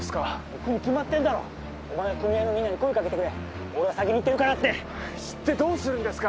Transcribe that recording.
行くに決まってんだろお前は組合のみんなに声かけてくれ俺は先に行ってるからって行ってどうするんですか？